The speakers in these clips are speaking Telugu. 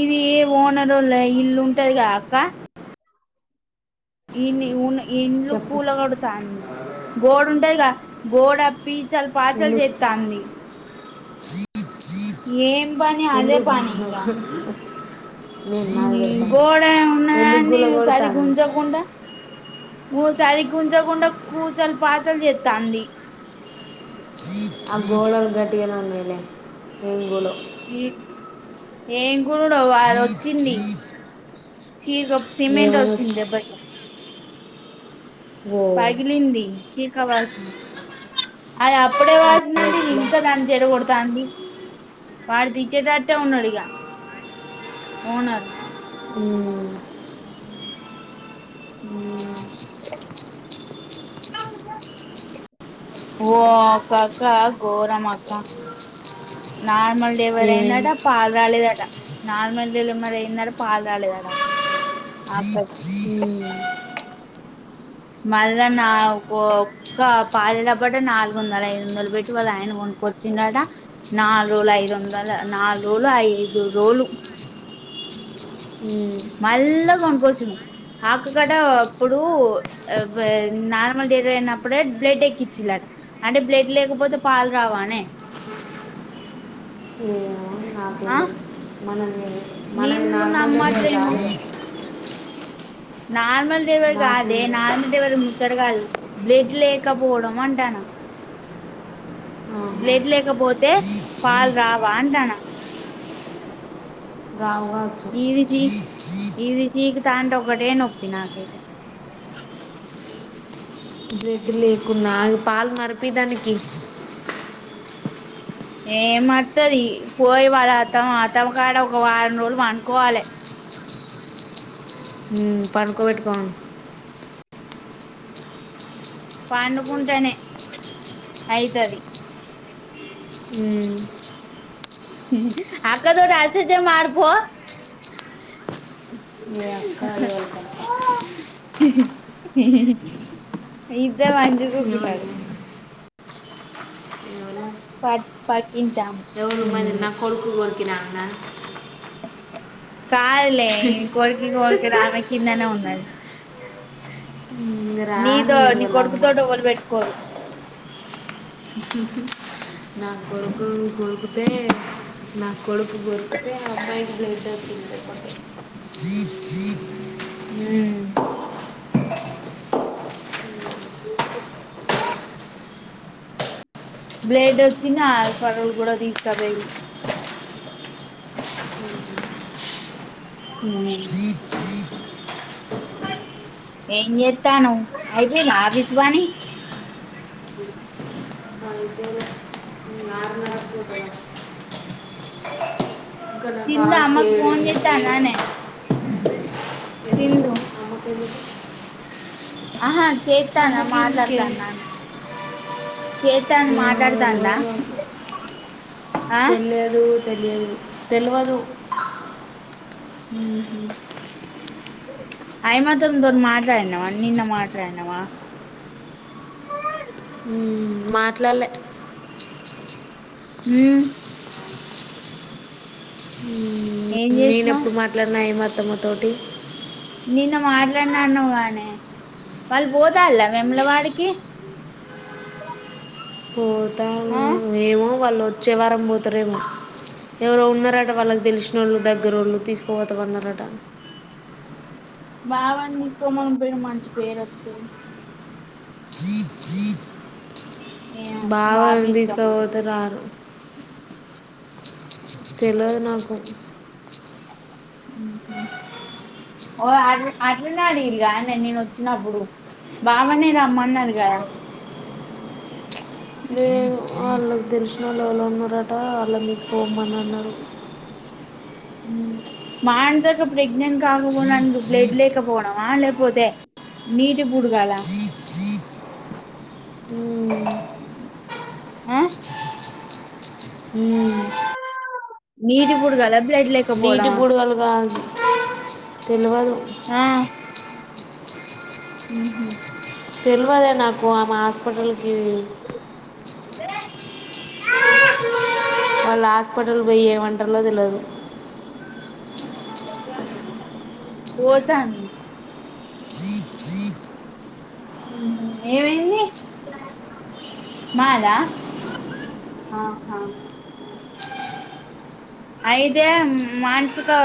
ఇది ఓనర్ ఓలై ఇల్లు ఉంటది గా అక్క. ఇన్ని ఉనాయి. ఈ ఇండ్లు చెప్పు కూలగోడతానీ, గోడ్ ఉంటాదిగా. గోడ. పీచలు, పాచల్ జేత్తాంది. అదే ఎందుక్. నీ గోడ ఎందుకు ఉన్నాదాన్ని గుల కొడుతుంది సరిగుంజ కుండా. ఊ సరిగుంజకుండా కూచలు, పాచలు చేత్తన్ది. ఆ గోళల్ గట్టిగానే ఉన్నాయిలే, ఏం గులవ్. ఏ ఏం. [unintelligible] వా అది ఒచ్చింది. చీకప్ సిమెంట్ ఓచ్చింద్ ఏమనొచ్చు దెబ్బకి. ఓ పగిలింది. [unintelligible] అద్ అప్పుడే వాచ్. [unintelligible] ఎట్లా ఇంత దాన్ని చెడగొడ్త్. [unintelligible] వాడు తిట్టేటట్టె ఉన్నాడు ఇగా, ఓనర్. ఉమ్. ఉమ్మ్. ఓ ఒక అక్క ఘోరం అక్క, నాక్. మల్ డిలివర్ ఏమేమి అయిందట పాల్. రాలేదట నార్మల్ డెలిమరి అయిందటా, పాల్ రాలేదట ఆ అక్కకి. మ్మ్. మళ్ళా నా ఒ ఒక్క పాలా డబ్బట నాలుగు వందలు, ఐదు వందలు బేట్టి వాళ్ళ ఆయన కొనుకొచ్చిండట. నాల్ రోల్ ఐదు వందల, నాలుగు రోజులు, ఐదు రోజులు. మ్మ్. మళ్ళా కొనుక్కొచ్చుడు. ఆ అక్క కట అప్పుడు అ బే నార్మల్ డేరిఅయినప్పుడే బ్లడ్ ఎక్కించీన్లాట. అంటే బ్లడ్ లేకపోతే పాల్ రావానే ఆ. మనం. [unintelligible] నేన్ గుడ్ నమ్మట్లేనూ. నార్మల్. [unintelligible] వ నాకేం గాదే తెలుసు నార్మల్ డెవిలర్ ముంద్. బ్లడ్ లేకపోవడం అంటాన్న, ఆహా. బ్లడ్ లేకపోతే పాల్ రావా అంటాన్న. రావు కావచ్చు ఇది చీ, ఇది చీకుత అంటే, ఒకటే నొప్పి నాకైతే. బ్రెడ్ లేకున్నా, పాల్ మరిపి దానికి. ఏం మర్తది, పోయి వాళ్ళ అత్త, అత్తమ్మ కాడ ఒక వారం రోజులు పన్డ్కోవాలే. హుమ్మ్ పన్డుకోబేట్టుకోఅను. పండుకుంటేనే అయితది. ఉమ్. అక్కతోటి అష్ట చమ్మ ఆడుపో, అక్క ఎవరికి అక్క ఇద్దర్ మంచిగా ఎవరు గుకున్నారు. ఎవరు పద్ పద్ ఇంటామ్. [unintelligible] నా కొడుకు కొ. [unintelligible] [unintelligible] కాదులే ఇంకోరికి కోరికి ఆమె కిందనే ఉన్నాాది ఇంక నీద రాని నీ ఎరువల అమ్మ కొడుకుతోవలు పెట్టుకోరు ఇకక నా కొడుకు గ అే నా కొడుకు దొరికితే అమ్మాాయికి బ్ైట్ తింటే హమ్ బ్లేడ్ వచ్చినా సరలు కూడా తీస్తా పో అ ఏం చెత్తాను అయిపిందా ఆఫీస్ పని అయితే ఆరున్నర పోతుందా ఇంకా నా కాల్స్ చిన్నామ్కు ఏడు ఫోన్ ఉన్నాయి. చేతా ఏడు ననేే ఎందుకు ఇను అమ్మకి ఎందుకు ఆహా చేతానా అమ్మకి ఎందుకే మాట్లాడతానా చేతాన్ ఏమో మాట్లాడతా అందా తినలేదు తెలియదు తెలవదు ఉమ్ హమ్ అయ మా త దోర మాట్లాడినవా నిన్న మాట్లాడినవా మ్మ్. మాట్లాడలే హమ్ ఏం నేన చేసినావ్ ఎప్పుడు మాట్లాడిన యి మా మొత్తొమ తటి నిన్న మాట్లాడినన్నా కాగాని వాళ్ళు పోతల వెములవాడికి పోతన్ ఆ ఏమో వాళ్ళు వచ్చే వారం పోతారేమో ఎవరో ఉన్నారట వాళ్ళకి తెలిసిన వాళ్ళు దగ్గర వాళ్ళు తీసుకుపోతాన్నారట బాబని తీసుకోమంట మంచి పేరు వస్తాంది ఏమో బావ బావని తీసుకపోతే తీసుకపోయిండు రారు తెలవాదు నాకు ఉమ్మ్మ్ ఓ అట్ అట్న్నాడు కాదండడి నేను వచ్చినప్పుడు బావని రమ్మన్నారు గ లేదు వాళ్ళకు తెలిసిన వాళ్ళు ఎవరోఉన్నారట వాళ్ళని తీసుకోమ్మని అన్నారు ఉమ్ మానస అక్క ప్రెగ్నెంట్ కాకపోడానికి బ్లడ్ లేకపోవడమా లేకపోతే నీటి బుడగాల మ్మ్. ఆ మ్మ్. నీటి బుడగలు నీటి బొడుగలు కా తెలువదు ఆ ఉమ్మ్మ్ తెలివాదే నాకు ఆమె హాస్పిటల్కి అదే వాళ్ళు హాస్పిటల్ పోయి ఏమంటురో తెలవదు పోతాంది ఏమైంది మాదా ఆహా అయితే మానసక్క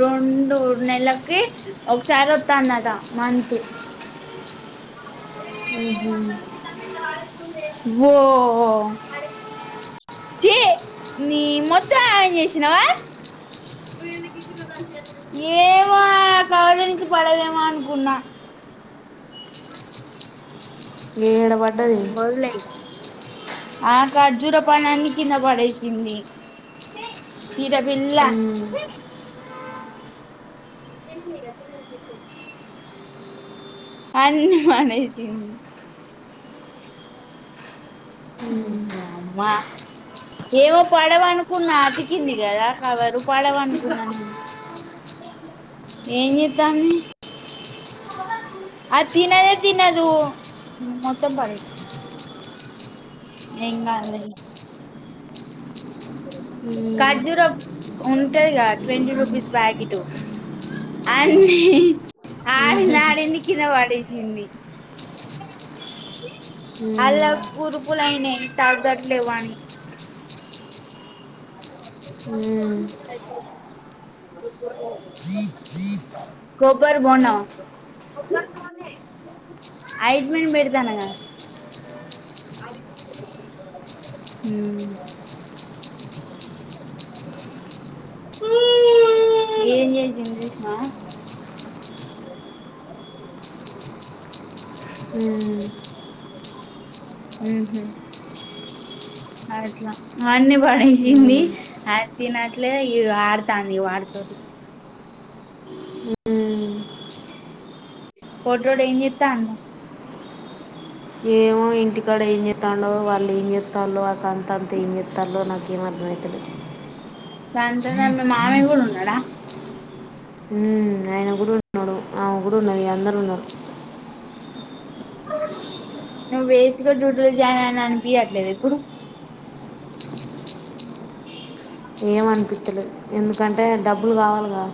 రెండు నెలకి ఒకసారి ఒత్తాందట మంతు మ్హూ. ఓ ఛీ నీ మొత్తం ఆగం చేసినావా ఏమో అక్క పై నుంచి పడదేమో అనుకున్నా ఏడ పడ్డది వదిలేయ్ ఇగ ఆ ఖర్జూర పండ్లన్నీ కింద పడేసింది తీట పిల్ల మ్, [unintelligible] అన్ని మానేసింది మ్, అమ్మా ఏమో పడవనుకున్నా అతికింది కదా కవరు పడవనుకున్నా నేను ఏం చెత్తంది అ తినదే తినదు మొత్తం పడే ఏం కాదులే మ్, మ్, ఖర్జూర ఉంటాదిగా ట్వంటీ రూపీస్ ప్యాకెట్ అన్ని ఆడింది మ్, ఆడింది కింద పడేసింది అలా మ్, కురుపులు అయినాయి తగ్గట్లేదు అని కొబ్బెర బోండామా ఆయింట్మెంట్ పెడతాన కదా హ ఏం చేసింది చూసినవా మ్, ఉహ అట్లా అన్ని పడేసింది మ్. అది తినట్లేదు ఆడతాంది వాటితోటి పొట్టోడు ఏం చేత్తాండు ఏమో ఇంటికాడ ఏం చేతన్డో వాళ్ళు ఏం చెస్తాలో ఆ సంత అంత ఏం చెతాలో నాక ఏం అర్థమైత లేదు సాయంత్రం దాకా మీ మామయ్య కూడా ఉండు డా ఆయన కూడా ఉన్నాడు ఆమె కూడా ఉన్నది అందరూ ఉన్నారు నువ్వు వేస్ట్ గా డ్యూటీ జాయిన్ అనిపియ్యట్లేదా ఇప్పుడు ఏం అనిపిత్తలేదు ఎందుకంటే డబ్బులు కావాలిగా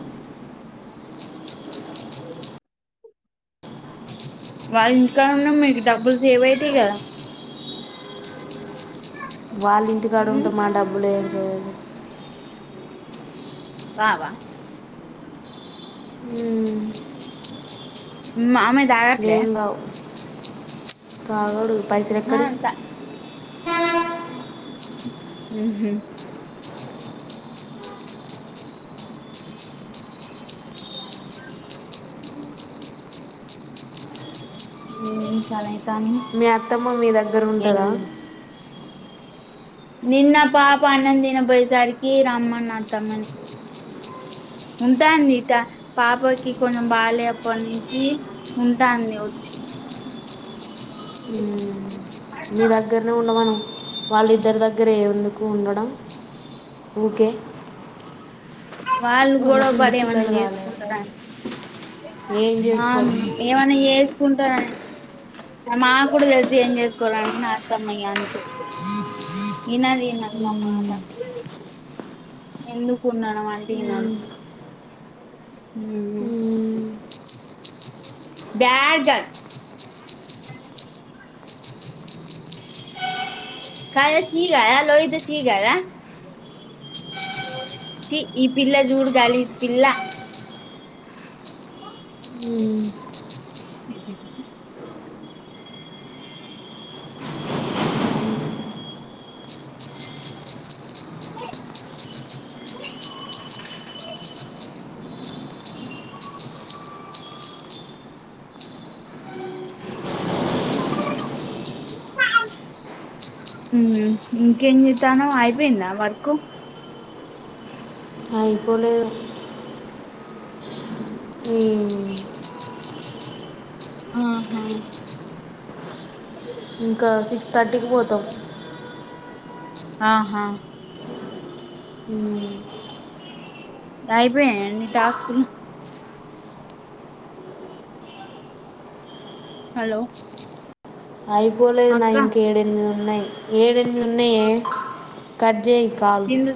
వాళ్ ఇంటికాడ ఉన్న మీకు డబ్బులు సేవ్ అయితే కదా వాళ్ళు ఇంటికాడ ఉమ్ ఉంటే మా డబ్బులే హా కావా హ హమ్ ఆమె లేన్గావ్ కావడు పైసలు ఆ ఎక్కడి తా ఓహో ఉ చాలా అ మీ అత్తమ్మ మీ దగ్గర ఉంటదా నిన్న పాప అన్నం తినబోయేసరికి రామన్న అత్తమ్మని ఉంటాంది పాపకి కొంచెం బాలేనప్పటి నుంచి ఉంటాంది వచ్చి మ్మ్. మీ దగ్గరనే ఉండమాను వాళ్ళిద్దరి దగ్గర ఏ ఎందుకు ఉండడం ఊకే వాళ్ళు గొడవ వాళ్ళకి ఇంటి పడి ఏమన్నా పిల్లలు కాలేదు చేసుకుంటారని ఏం ఆ చేసుకోరు ఏమన్నా చే చసుకుంటానని ఆ మాకుడు తెలిసి ఏం చేసుకోరని నా అత్తమ్మ య అంటూ మ్మ్. ఇన్నది ఇన్నది నా మాట ఎందుకు ఉన్నావే అంటున్న, మ్మ్. మ్మ్. ఉ bad girl bad girl Kavya Sri కా లోహిత శ్రీ కదా చి ఈ పిల్లా జూడు గాలిజ్ పిల్లా, మ్మ్. [unintelligible] ఉహు ఉ ఇంకా ఏంచేతనావు అయిపోయిందా వర్కు, అయిపోలే మ్మ్. [unintelligible] ఆహా ఇంకా సిక్స్ థర్టీకి పోతోచ్చు, ఆహా ఉ అయిపోయినాయ ని టాస్క్ లు హలో అయిపోలేదు నా అక్క ఇంకా ఏడెనిమిది ఉన్నాయి. ఏడుఎ ఉన్నయే కడ్జేయి కాల్, సింధు